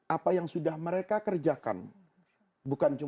apa yang sudah mereka lakukan itu adalah yang akan dikuburkan di akhirat